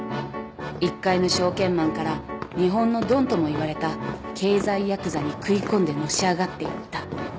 一介の証券マンから日本のドンともいわれた経済ヤクザに食い込んでのし上がっていった。